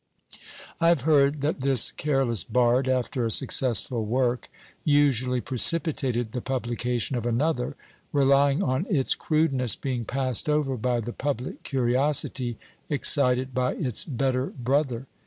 I have heard that this careless bard, after a successful work, usually precipitated the publication of another, relying on its crudeness being passed over by the public curiosity excited by its better brother.